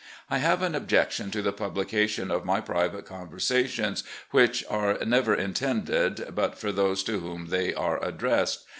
I have an objection to the publication of my private conversa tions, which are never intended but for those to whom they are addressed.